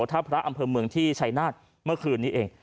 ท่าพระอำเภอเมืองที่ชัยนาศเมื่อคืนนี้เอง